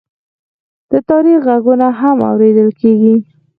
د تاریخ غږونه هم اورېدل کېږي.